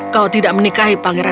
kau tidak menikahi pangeran